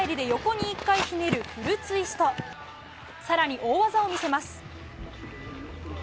更に大技を見せます。